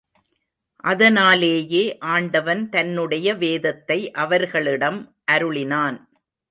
அதனாலேயே ஆண்டவன் தன்னுடைய வேதத்தை அவர்களிடம் அருளினான்.